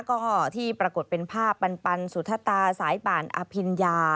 ก็ที่ปรากฏเป็นภาพปันสุธตาสายป่านอภิญญา